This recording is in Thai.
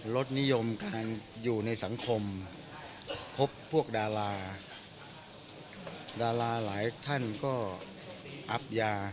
ลดนิยมการอยู่ในสังคมพบพวกดาราดาราหลายท่านก็อับยา